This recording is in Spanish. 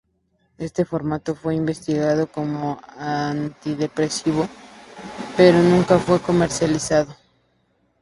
Este fármaco fue investigado como antidepresivo, pero nunca fue comercializado.